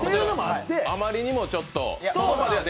あまりにもちょっと。